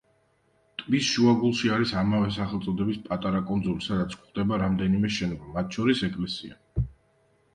ტბის შუაგულში არის ამავე სახელწოდების პატარა კუნძული, სადაც გვხვდება რამდენიმე შენობა, მათ შორის ეკლესია.